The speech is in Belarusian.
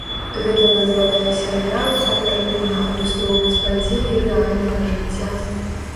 Гэта дазваляе серыялу аператыўна адлюстроўваць падзеі рэальнага жыцця.